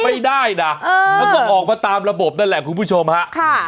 ไม่ได้นะมันก็ออกมาตามระบบนั่นแหละคุณผู้ชมฮะค่ะ